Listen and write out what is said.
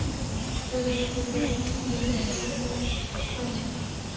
এর দ্বারা তো কেবল তোমাদেরকে পরীক্ষায় ফেলা হয়েছে।